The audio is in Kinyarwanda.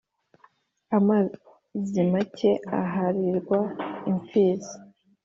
Amazi make aharirwa impfizi.